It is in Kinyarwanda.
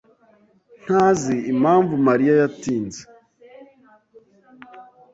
ntazi impamvu Mariya yatinze.